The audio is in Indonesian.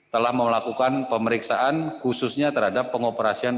telah melakukan pemeriksaan khususnya terhadap pengoperasian